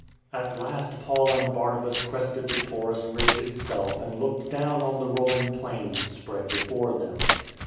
At last Paul and Barnabas crested the Taurus ridge itself and looked down on the rolling plains spread before them.